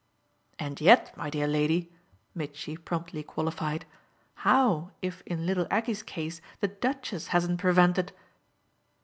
"And yet, my dear lady," Mitchy promptly qualified, "how if in little Aggie's case the Duchess hasn't prevented